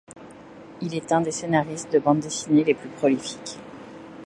Il est un des scénaristes de bande dessinée les plus prolifiques.